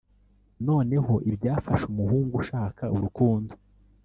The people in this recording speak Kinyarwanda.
noneho ibyafasha umuhungu ushaka urukundo